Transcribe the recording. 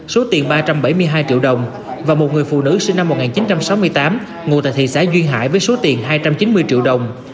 số tiền ba trăm bảy mươi hai triệu đồng và một người phụ nữ sinh năm một nghìn chín trăm sáu mươi tám ngụ tại thị xã duyên hải với số tiền hai trăm chín mươi triệu đồng